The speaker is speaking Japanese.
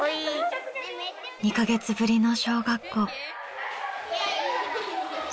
２カ月ぶりの小学校。